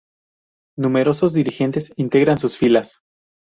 Numerosos dirigentes integran sus filas.